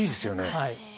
はい。